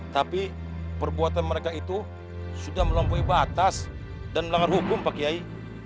tapi perbuatan mereka itu sudah melampaui batas dan melanggar hukum pak kiai